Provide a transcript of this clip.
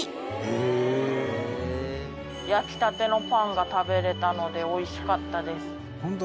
焼きたてのパンが食べれたのでおいしかったです